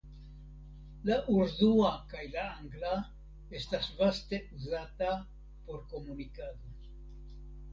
La urdua kaj la angla estas vaste uzata por komunikado.